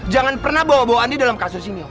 jangan pernah bawa bawa andi dalam kasus ini